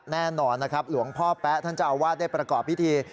แน่นอนนะครับหลวงพ่อแป๊ะท่านเจ้าอาวาสได้ประกอบพิธี